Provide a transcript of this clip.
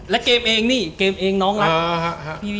และเกมเองนี่เกมเองน้องรัก